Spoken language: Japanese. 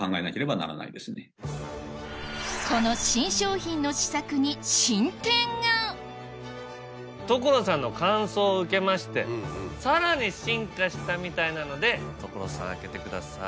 この新商品の試作に所さんの感想を受けましてさらに進化したみたいなので所さん開けてください。